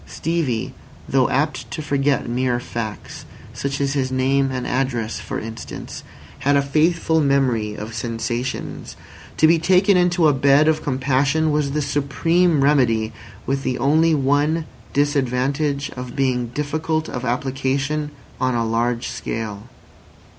Stevie, though apt to forget mere facts, such as his name and address for instance, had a faithful memory of sensations. To be taken into a bed of compassion was the supreme remedy, with the only one disadvantage of being difficult of application on a large scale.